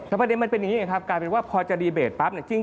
แต่ประเด็นมันเป็นอย่างนี้ไงครับกลายเป็นว่าพอจะดีเบตปั๊บเนี่ย